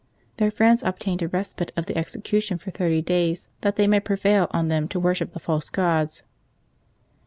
Their friends obtained a respite of the execution for thirty days, that they might prevail on them to worship the false gods.